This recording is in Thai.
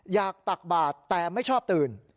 ตักบาทแต่ไม่ชอบตื่น